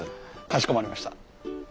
かしこまりました。